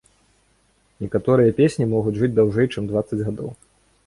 Некаторыя песні могуць жыць даўжэй, чым дваццаць гадоў.